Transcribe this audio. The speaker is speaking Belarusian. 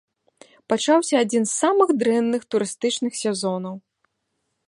Пачаўся адзін з самых дрэнных турыстычных сезонаў.